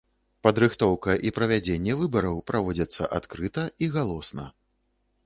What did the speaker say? Падрыхтоўка і правядзенне выбараў праводзяцца адкрыта і галосна.